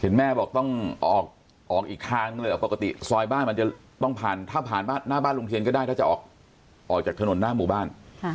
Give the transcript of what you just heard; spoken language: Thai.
แม่บอกต้องออกอีกทางหนึ่งเลยปกติซอยบ้านมันจะต้องผ่านถ้าผ่านหน้าบ้านลุงเทียนก็ได้ถ้าจะออกจากถนนหน้าหมู่บ้าน